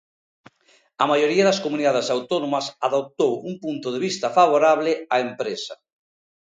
A maioría das comunidades autónomas adoptou un punto de vista favorable á empresa.